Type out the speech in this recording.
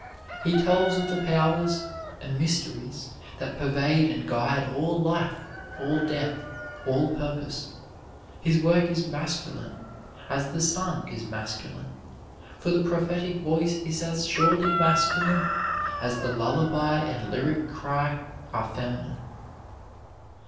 He tells of the powers and mysteries that pervade and guide all life, all death, all purpose. His work is masculine, as the sun is masculine; for the Prophetic Voice is as surely masculine as the lullaby and lyric cry are feminine.